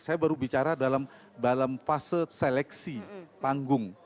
saya baru bicara dalam fase seleksi panggung